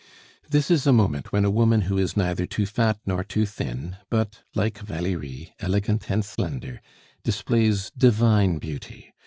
This is a moment when a woman who is neither too fat nor too thin, but like Valerie, elegant and slender, displays divine beauty.